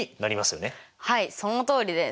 はいそのとおりです。